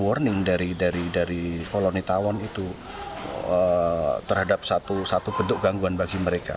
ada satu mekanisme warning dari koloni tawon itu terhadap satu bentuk gangguan bagi mereka